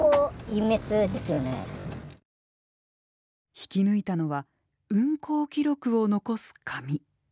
引き抜いたのは運行記録を残す紙。